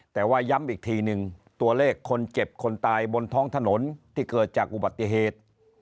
แต่ว่าย้ำอีกทีหนึ่งตัวเลขคนเจ็บคนตายบนท้องถนนที่เกิดจากอุบัติเหตุ